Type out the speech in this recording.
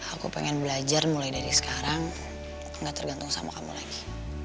aku pengen belajar mulai dari sekarang gak tergantung sama kamu lagi